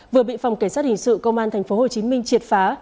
vừa bị phòng cảnh sát hình sự công an tp hcm triệt phá